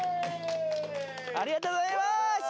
ありがとうございます